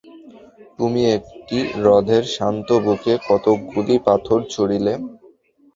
তুমি একটি হ্রদের শান্ত বুকে কতকগুলি পাথর ছুঁড়িলে।